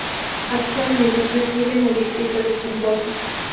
Actualmente reside en el distrito de San Borja.